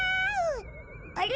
あれ？